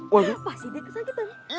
pasti dia kesakitan